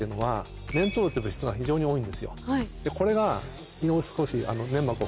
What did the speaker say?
これが。